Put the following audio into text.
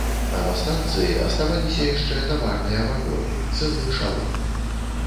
А на станцыі аставаліся яшчэ таварныя вагоны, цэлы эшалон.